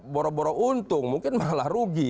boroboro untung mungkin malah rugi